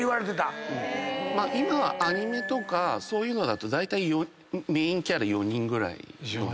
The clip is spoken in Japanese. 今アニメとかそういうのだとだいたいメインキャラ。